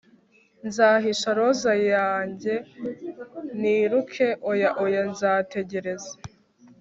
nzahisha roza yanjye niruke ... oya, oya, nzategereza